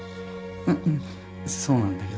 うんそうなんだけど。